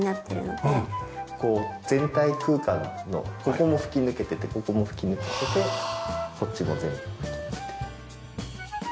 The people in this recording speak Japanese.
こう全体空間のここも吹き抜けててここも吹き抜けててこっちも全部吹き抜けてる。